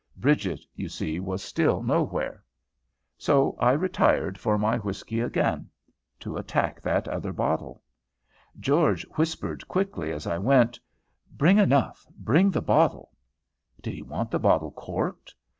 Bridget, you see, was still nowhere. So I retired for my whiskey again, to attack that other bottle. George whispered quickly as I went, "Bring enough, bring the bottle." Did he want the bottle corked?